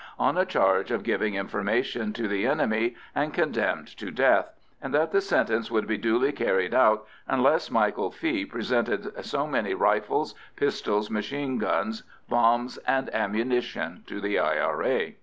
on a charge of giving information to the enemy and condemned to death, and that the sentence would be duly carried out unless Michael Fee presented so many rifles, pistols, machine guns, bombs, and ammunition to the I.R.A.